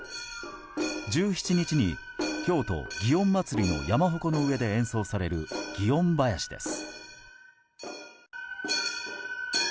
１７日に京都祇園祭の山鉾の上で演奏される祇園囃子です。